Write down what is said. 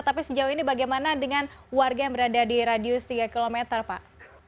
tapi sejauh ini bagaimana dengan warga yang berada di radius tiga km pak